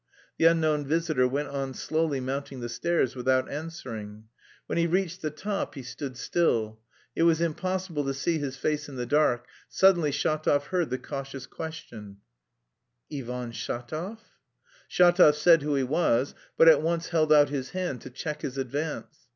The unknown visitor went on slowly mounting the stairs without answering. When he reached the top he stood still; it was impossible to see his face in the dark; suddenly Shatov heard the cautious question: "Ivan Shatov?" Shatov said who he was, but at once held out his hand to check his advance.